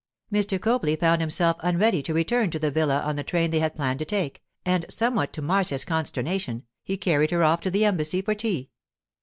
Mr. Copley found himself unready to return to the villa on the train they had planned to take, and, somewhat to Marcia's consternation, he carried her off to the Embassy for tea.